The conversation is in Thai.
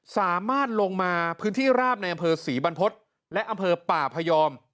สามารถลงมาพื้นที่ราบในอำเภอศรีบรรพฤษและอำเภอป่าพยอม